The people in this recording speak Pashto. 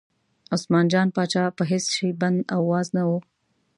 عثمان جان پاچا په هېڅ شي بند او واز نه و.